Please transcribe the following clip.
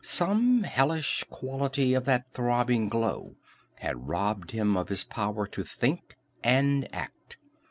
Some hellish quality of that throbbing glow had robbed him of his power to think and act.